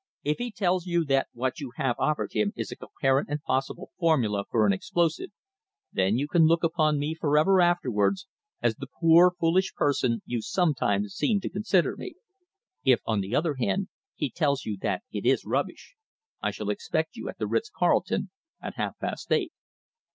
If he tells you that what you have offered him is a coherent and possible formula for an explosive, then you can look upon me for ever afterwards as the poor, foolish person you sometimes seem to consider me. If, on the other hand, he tells you that it is rubbish, I shall expect you at the Ritz Carlton at half past eight."